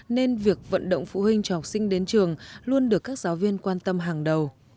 nên việc vận động phụ huynh cho học sinh đến trường luôn được các giáo viên quan tâm hàng đầu